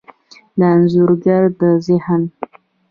د انځورګر د ذهن،